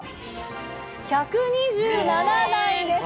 １２７台です。